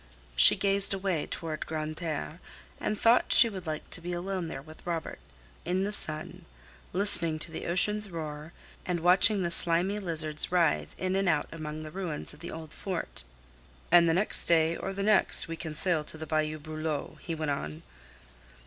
She gazed away toward Grande Terre and thought she would like to be alone there with Robert, in the sun, listening to the ocean's roar and watching the slimy lizards writhe in and out among the ruins of the old fort. "And the next day or the next we can sail to the Bayou Brulow," he went on.